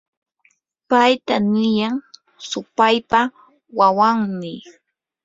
payta niyan supaypa wawanmi.